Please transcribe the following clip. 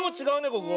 ここ。